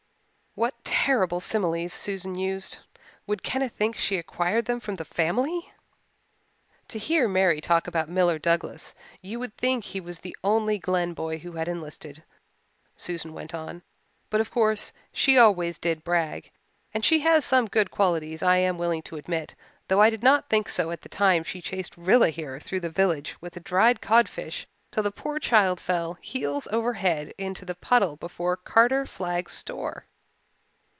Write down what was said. What terrible similes Susan used! Would Kenneth think she acquired them from the family! "To hear Mary talk about Miller Douglas you would think he was the only Glen boy who had enlisted," Susan went on. "But of course she always did brag and she has some good qualities I am willing to admit, though I did not think so that time she chased Rilla here through the village with a dried codfish till the poor child fell, heels over head, into the puddle before Carter Flagg's store."